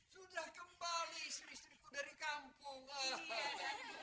sudah kembali istri istriku dari kampung lain